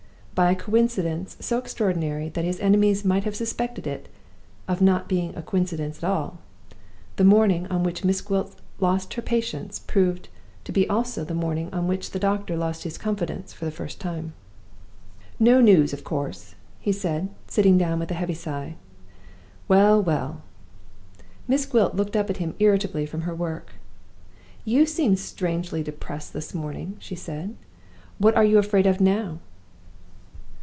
By a coincidence so extraordinary that his enemies might have suspected it of not being a coincidence at all, the morning on which Miss Gwilt lost her patience proved to be also the morning on which the doctor lost his confidence for the first time. "No news, of course," he said, sitting down with a heavy sigh. "Well! well!" Miss Gwilt looked up at him irritably from her work. "You seem strangely depressed this morning," she said. "What are you afraid of now?"